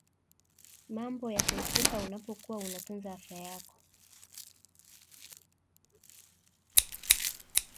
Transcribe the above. mambo ya kuepuka unapokuwa unatunza afya yako